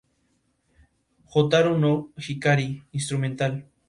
Su compañero era Maksim Chmerkovskiy y quedó eliminada en la ronda de semifinales.